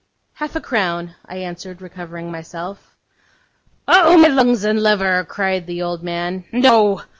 'Half a crown,' I answered, recovering myself. 'Oh, my lungs and liver,' cried the old man, 'no!